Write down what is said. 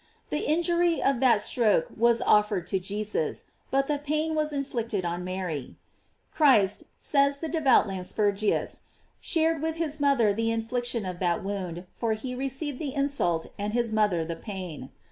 The injury of that stroke was of ered to Jesus, but the pain was inflicted on Mary: Christ, says the devout Lanspergius, shared with his mother the infliction of that wound, for here ceived the insult and his mother the pain.